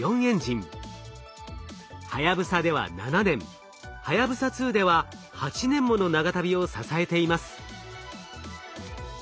はやぶさでは７年はやぶさ２では８年もの長旅を支えています。